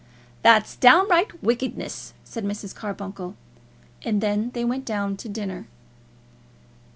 "That's downright wickedness," said Mrs. Carbuncle. And then they went down to dinner.